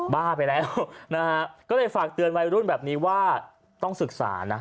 บ้าไปแล้วนะฮะก็เลยฝากเตือนวัยรุ่นแบบนี้ว่าต้องศึกษานะ